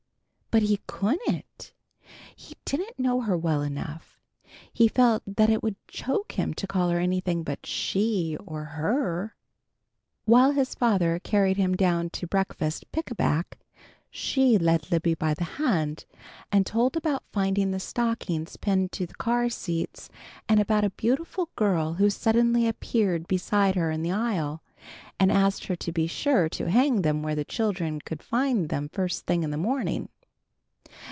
But he couldn't! He didn't know her well enough. He felt that it would choke him to call her anything but She or Her. While his father carried him down to breakfast pick a back, She led Libby by the hand, and told about finding the stockings pinned to the car seats, and about a beautiful girl who suddenly appeared beside her in the aisle, and asked her to be sure to hang them where the children could find them first thing in the morning.